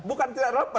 bukan tidak relevan